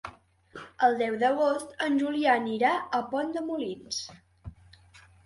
El deu d'agost en Julià anirà a Pont de Molins.